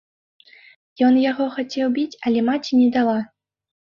Ён яго хацеў біць, але маці не дала.